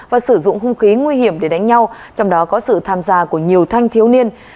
và sử dụng hung khí nguy hiểm để đánh nhau trong đó có sự tham gia của nhiều thanh thiếu niên